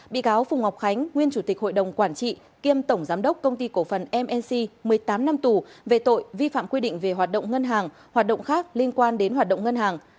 bị cáo phùng ngọc khánh nguyên chủ tịch hội đồng quản trị kiêm tổng giám đốc công ty cổ phần mc một mươi tám năm tù về tội vi phạm quy định về hoạt động ngân hàng hoạt động khác liên quan đến hoạt động ngân hàng